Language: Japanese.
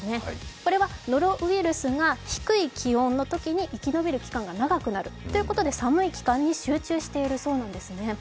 これはノロウイルスが低い気温のときに生き延びる期間が長くなるということで寒い期間に集中しているそうなんですね。